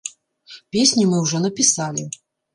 Песню мы ўжо напісалі.